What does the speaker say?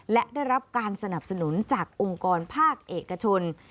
และได้รับการสนับสนุนจากองค์กรภาคเอกชน